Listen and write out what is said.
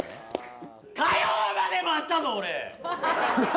火曜まで待ったぞ俺！